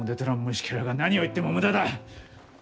虫けらが何を言っても無駄だ！